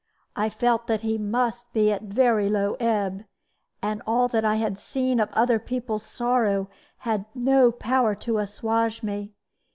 I felt that he must be at very low ebb, and all that I had seen of other people's sorrow had no power to assuage me.